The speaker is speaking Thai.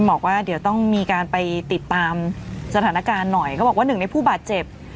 บอกว่าเดี๋ยวต้องมีการไปติดตามสถานการณ์หน่อยเขาบอกว่าหนึ่งในผู้บาดเจ็บ